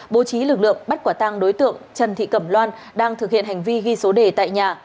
bố trí lực lượng bắt quả tăng đối tượng trần thị cẩm loan đang thực hiện hành vi ghi số đề tại nhà